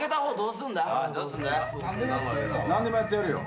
何でもやってやるよ。